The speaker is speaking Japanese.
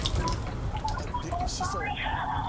しそう。